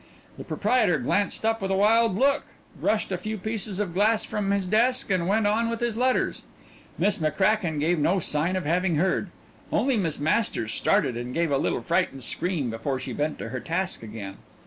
The proprietor glanced up with a wild look, brushed a few pieces of glass from his desk, and went on with his letters. Miss McCracken gave no sign of having heard only Miss Masters started and gave a little frightened scream before she bent to her task again.